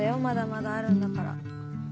まだまだあるんだから。